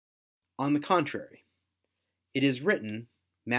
On the contrary, It is written (Matt.